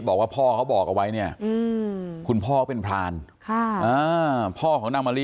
บอกว่าพ่อเขาบอกเอาไว้เนี่ยคุณพ่อเขาเป็นพรานพ่อของนางมะลิ